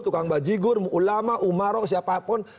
tukang bajigur ulama umaro siapapun